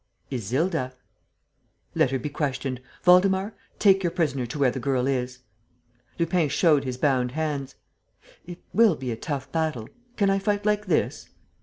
"Isilda." "Let her be questioned! Waldemar, take your prisoner to where the girl is." Lupin showed his bound hands: "It will be a tough battle. Can I fight like this?"